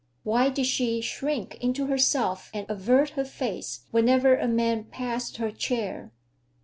Why did she shrink into herself and avert her face whenever a man passed her chair?